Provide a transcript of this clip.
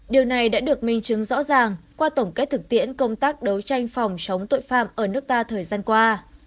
điều này đã được minh chứng rõ ràng qua tổng kết thực tiễn công tác đấu tranh phòng chống tội phạm ở nước ta thời gian qua